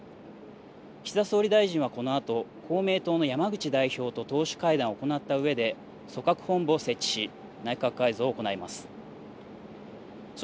岸田総理大臣はこのあと公明党の山口代表と党首会談を行ったうえで組閣本部を設置し内閣改造を行います。